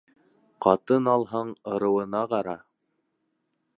Ҡатын алһаң, ырыуына ҡара.